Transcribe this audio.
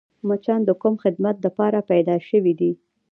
مچان د کوم خدمت دپاره پیدا شوي دي؟